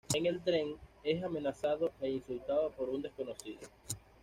En el tren, es amenazado e insultado por un desconocido.